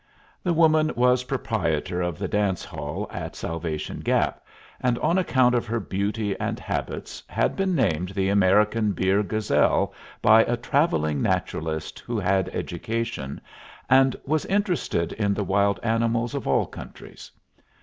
The woman was proprietor of the dance hall at Salvation Gap, and on account of her beauty and habits had been named the American Beer Gazelle by a travelling naturalist who had education, and was interested in the wild animals of all countries.